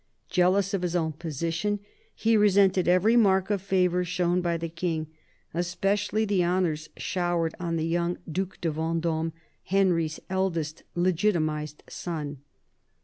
Jealous of his own position, he resented every mark of favour shown by the King, especially the honours showered on the young Due de VendOme, Henry's eldest legitimised son.